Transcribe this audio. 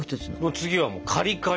次はもう「カリカリ」！